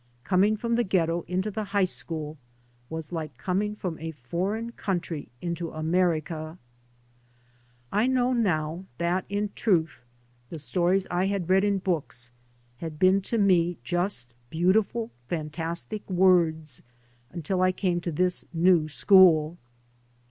Coming from the ghetto into the high school was like coming from a foreign country into America. I know now that, in truth, the stories I had read in books had been to me just beautiful fantastic words until I came to this new school.